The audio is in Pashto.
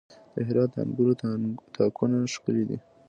د هرات د انګورو تاکونه ښکلي دي.